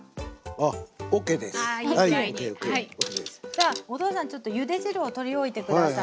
じゃお父さんちょっとゆで汁をとりおいて下さい。